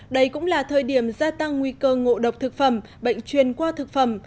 đây cũng là thời điểm gia tăng nguy cơ ngộ độc thực phẩm bệnh truyền qua thực phẩm